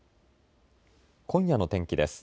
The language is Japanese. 今夜の天気です。